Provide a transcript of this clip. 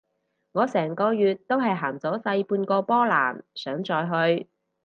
我成個月都係行咗細半個波蘭，想再去